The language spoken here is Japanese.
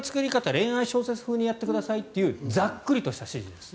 恋愛小説風にやってくださいというざっくりとした指示です。